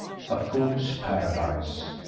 — A FOOL'S PARADISE 1.